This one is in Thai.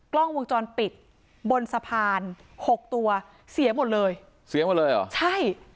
กล้องวงจรปิดบนสะพานหกตัวเสียหมดเลยเสียหมดเลยเหรอใช่